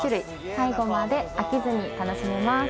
最後まで飽きずに楽しめます。